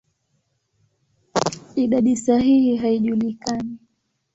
Idadi sahihi haijulikani.